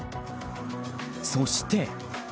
そして。